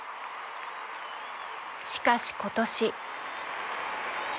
しかし今年。